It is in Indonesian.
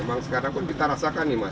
memang sekarang pun kita rasakan nih mas